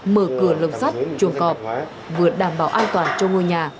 mở cửa lồng sắt chuồng cọp vừa đảm bảo an toàn cho ngôi nhà